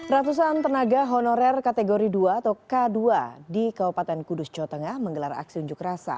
ratusan tenaga honorer kategori dua atau k dua di kabupaten kudus jawa tengah menggelar aksi unjuk rasa